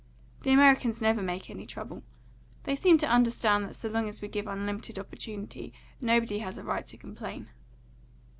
The Americans never make any trouble. They seem to understand that so long as we give unlimited opportunity, nobody has a right to complain."